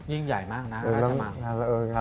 ยิ่งใหญ่มากนะราชมัติ